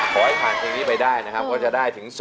ขอให้ผ่านเพลงนี้ไปได้นะครับก็จะได้ถึง๒